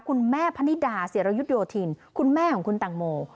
คุณแม่พะนิดาเสรียรยุทธิ์โดทินคุณแม่ของคุณตางโม